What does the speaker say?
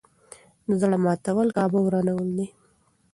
د زړه ماتول کعبه ورانول دي.